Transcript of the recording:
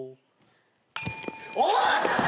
おい！